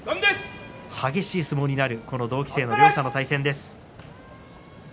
激しい相撲になる同期生、両者の対戦です。